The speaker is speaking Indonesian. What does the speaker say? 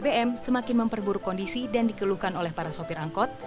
pada saat ini bbm juga masih memperburuk kondisi dan dikeluhkan oleh para sopir angkot